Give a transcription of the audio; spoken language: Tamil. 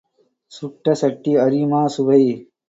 சுட்ட சட்டி அறியுமா சுவை?